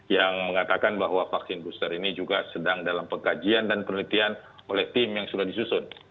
yang mengatakan bahwa vaksin booster ini juga sedang dalam pengkajian dan penelitian oleh tim yang sudah disusun